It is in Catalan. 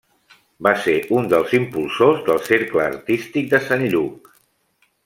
Va ser un dels impulsors del Cercle Artístic de Sant Lluc.